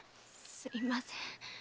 すみません。